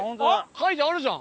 書いてあるじゃん！